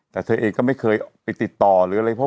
แต่เธอเองก็ไม่เคยไปติดต่อหรืออะไรเพราะ